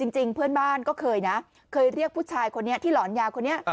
จริงเพื่อนบ้านก็เคยนะเคยเรียกผู้ชายคนนี้ที่หลอนยาคนนี้